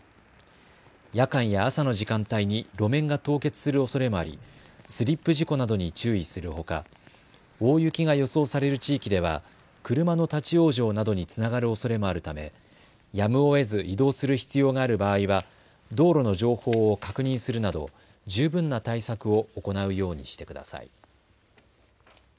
夜間や朝の時間帯に路面が凍結するおそれもありスリップ事故などに注意するほか大雪が予想される地域では車の立往生などにつながるおそれもあるため、やむをえず移動する必要がある場合は道路の情報を確認するなど十分な対策を行うようにしてください。